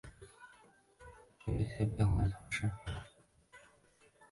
阿斯屈厄人口变化图示